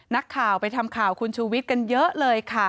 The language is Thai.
นักข่าวไปทำข่าวคุณชูวิทย์กันเยอะเลยค่ะ